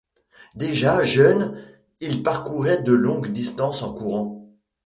Déjà jeune il parcourait de longues distances en courant.